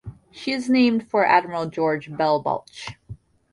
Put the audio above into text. She is named for Admiral George Beall Balch.